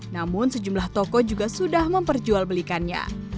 namun sejumlah toko juga sudah memperjualbelikannya